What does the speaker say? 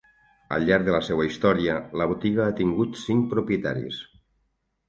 Al llarg de la seva història, la botiga ha tingut cinc propietaris.